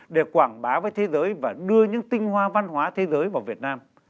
để quảng bá với thế giới và đưa những tinh hoa văn hóa thế giới vào việt nam